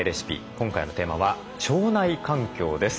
今回のテーマは「腸内環境」です。